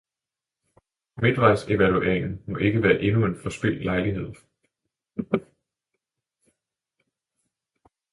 Midtvejsevalueringen må ikke være endnu en forspildt lejlighed.